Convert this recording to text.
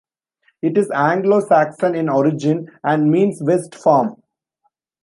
It is Anglo Saxon in origin and means 'west farm'.